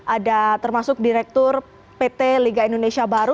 ada termasuk direktur pt liga indonesia baru